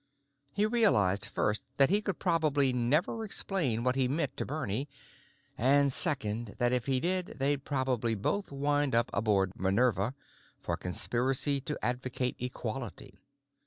He realized first that he could probably never explain what he meant to Bernie, and second that if he did they'd probably both wind up aboard "Minerva" for conspiracy to advocate equality.